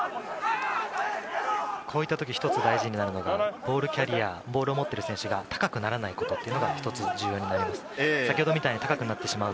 こういった時、一つ大事になるのはボールキャリアー、ボールを持ってる選手が高くならないことというのが重要になります。